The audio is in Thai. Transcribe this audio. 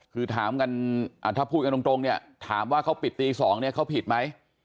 คือถามกันถ้าพูดกันตรงเนี่ยถามว่าเขาปิดตี๒เนี่ยเขาผิดไหม